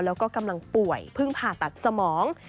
แล้วก็กำลังป่วยเพิ่งผ่าตัดสมอง